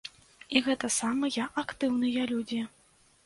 І гэта самыя актыўныя людзі.